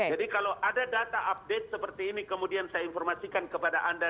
jadi kalau ada data update seperti ini kemudian saya informasikan kepada anda